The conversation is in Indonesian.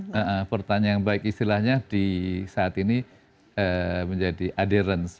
iya itu pertanyaan yang baik istilahnya di saat ini menjadi adherence